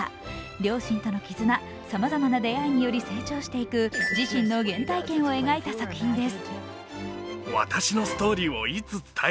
両親との絆さまざまな出会いにより成長していく自身の原体験を描いた作品です。